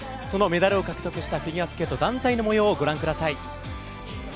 そのメダルを獲得したフィギュアスケート団体の模様をご覧ください。